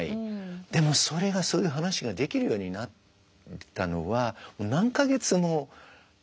でもそれがそういう話ができるようになったのは何か月もたってから。